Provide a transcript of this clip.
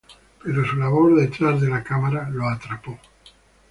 Pero su labor detrás de la cámara lo atrapó.